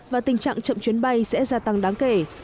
và tình trạng chậm chuyến bay sẽ gia tăng đáng kể